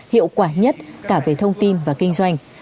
hiệu quả nhất cả về thông tin và kinh doanh